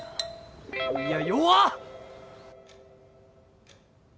いや弱っ！